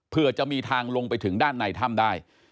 เพื่อจะมีทางลงไปถึงด้านในถ้ำได้